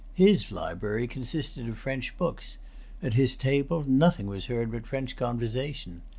His library consisted of French books; at his table nothing was heard but French conversation.